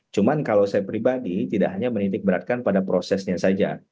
cuma kalau saya pribadi tidak hanya menitik beratkan pada prosesnya saja